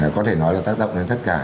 có thể nói là tác động đến tất cả